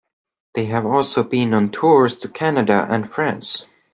They have also been on tours to Canada and France.